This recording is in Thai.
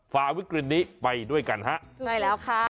ฟ้าวิกฤณฑ์นี้ไปด้วยกันฮะได้แล้วค่ะ